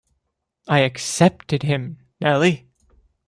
I accepted him, Nelly.